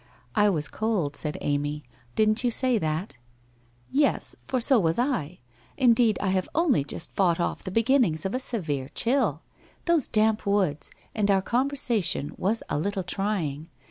' I was cold,' said Amy. ' Didn't you say that?' 1 Yes, for so was I. Indeed I have only just fought off the beginnings of a severe chill. Those damp woods, and our conversation was a little trying.